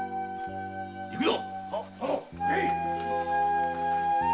行くぞ。